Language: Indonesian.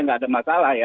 tidak ada masalah ya